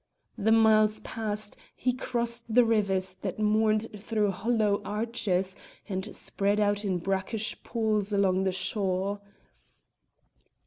The miles passed, he crossed the rivers that mourned through hollow arches and spread out in brackish pools along the shore.